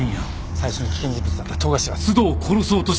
最初の危険人物だった富樫は須藤を殺そうとした。